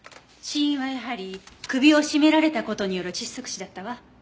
死因はやはり首を絞められた事による窒息死だったわ。